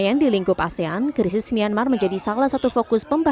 juga vay na b payyukada footsteps making man persis mianmar menjadi salah satu fokus